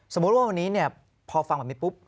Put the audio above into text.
สมมุติว่าวันนี้พอฟังแบบนี้ปุ๊บ